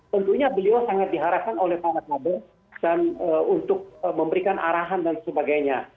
tentunya beliau sangat diharapkan oleh para kader dan untuk memberikan arahan dan sebagainya